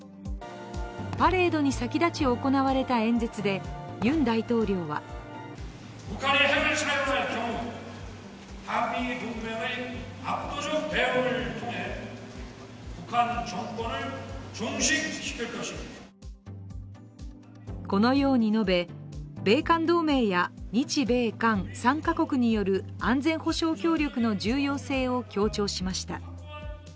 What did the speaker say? パレードに先立ち行われた演説でユン大統領はこのように述べ、米韓同盟や日米韓３か国による安全保障協力の重要性を強調しました。